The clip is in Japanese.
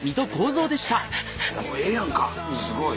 ええやんかすごい。